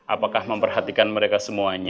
apakah memperhatikan mereka semuanya